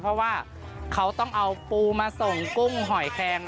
เพราะว่าเขาต้องเอาปูมาส่งกุ้งหอยแคลง